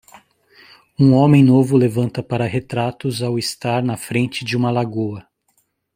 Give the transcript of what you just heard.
Um homem novo levanta para retratos ao estar na frente de uma lagoa.